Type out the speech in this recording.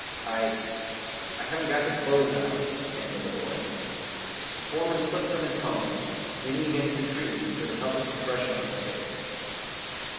"I I haven't got any clothes on," stammered the boy. The foreman slipped from his pony, leaning against a tree with a helpless expression on his face.